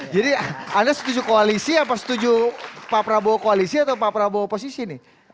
anda setuju koalisi apa setuju pak prabowo koalisi atau pak prabowo oposisi nih